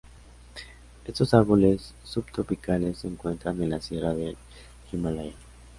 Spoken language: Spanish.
Estos árboles subtropicales se encuentran en la sierra del Himalaya.